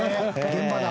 現場だ。